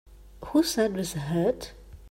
Who's that with the hat?